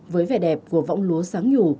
với vẻ đẹp của võng lúa sáng nhủ